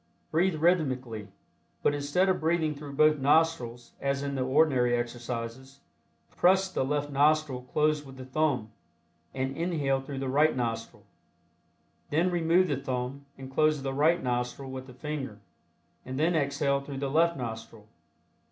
Breathe rhythmically, but instead of breathing through both nostrils as in the ordinary exercises, press the left nostril close with the thumb, and inhale through the right nostril. Then remove the thumb, and close the right nostril with the finger, and then exhale through the left nostril.